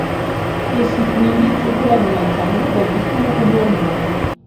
Essi quindi circolano nel sangue ed agiscono come ormoni.